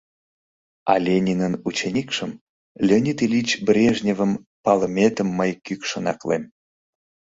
А Ленинын ученикшым, Леонид Ильич Брежневым, палыметым мый кӱкшын аклем.